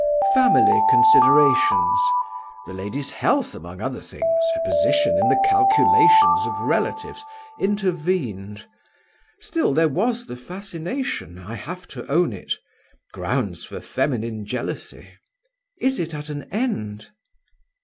"Family considerations the lady's health among other things; her position in the calculations of relatives intervened. Still there was the fascination. I have to own it. Grounds for feminine jealousy." "Is it at an end?"